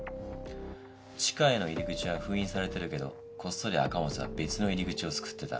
地下への入り口は封印されてるけどこっそり赤松は別の入り口を作ってた。